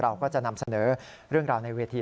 เราก็จะนำเสนอเรื่องราวในเวที